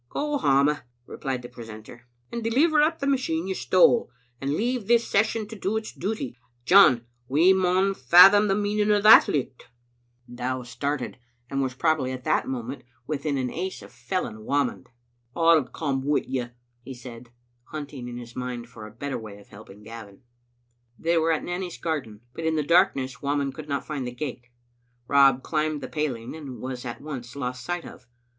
"Go hame," replied the precentor, "and deliver up the machine you stole, and leave this Session to do its duty. John, we maun fathom the meaning o' that licht Digitized by VjOOQ IC Vatlott0 Xobice aonvergind* 369 Dow started, and was probably at that moment with in an ace of felling Whamond. "I'll come wi' you," he said, hunting in his mind for a better way of helping Gavin. They were at Nanny's garden, but in the darkn<ess Whamond could not find the gate. Rob climbed the paling, and was at once lost sight of.